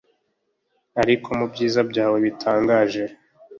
ariko mubyiza byawe bitangaje